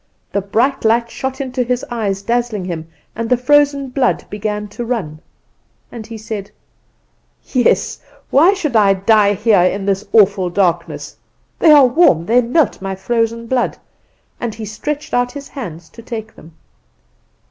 The bright light shot into his eyes, dazzling him, and the frozen blood began to run. And he said: "'Yes, why should I die here in this awful darkness? They are warm, they melt my frozen blood!' and he stretched out his hands to take them.